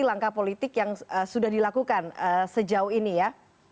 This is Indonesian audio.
langkah politik yang sudah dilakukan sejauh ini ya